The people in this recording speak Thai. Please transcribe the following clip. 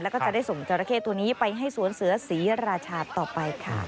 แล้วก็จะได้ส่งจราเข้ตัวนี้ไปให้สวนเสือศรีราชาต่อไปค่ะ